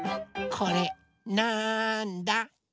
これなんだ？